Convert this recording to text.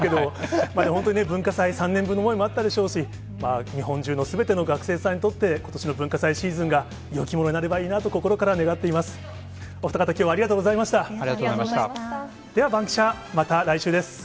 本当にね、文化祭、３年分の思いもあったでしょうし、日本中のすべての学生さんにとって、ことしの文化祭シーズンがよきものになればいいなと心から願ってうわ！